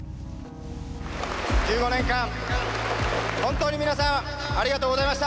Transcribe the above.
１５年間本当に皆さんありがとうございました！